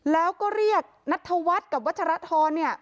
แล้วก็เรียกนัทธวัฒน์กับวัชรทรเนี่ย